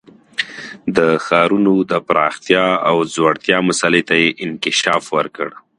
د ښارونو د پراختیا او ځوړتیا مسئلې ته یې انکشاف ورکړ